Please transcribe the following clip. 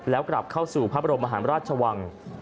แล้วกลับเข้าสู่พระบรมมหาราชวัง